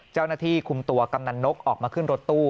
เจ้าหน้าที่คุมตัวกำนันนกออกมาขึ้นรถตู้